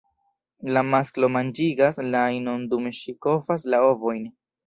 La masklo manĝigas la inon dum ŝi kovas la ovojn.